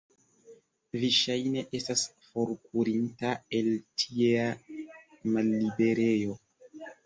Vi, ŝajne, estas forkurinta el tiea malliberejo?